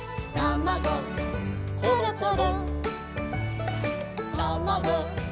「たまごころころ」